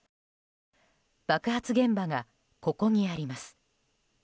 爆発現場が、ここにあります。